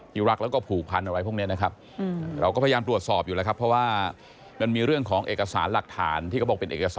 อยู่รักแล้วก็ผูกพันธุ์อะไรพวกนี้นะครับ